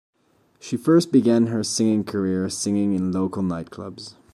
She first began her singing career singing in local nightclubs.